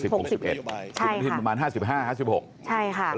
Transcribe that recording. คุณทีตรประมาณ๕๕กับ๕๖ใช่ค่ะ